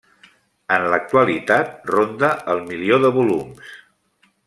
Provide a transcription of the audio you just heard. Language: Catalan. En l'actualitat ronda el milió de volums.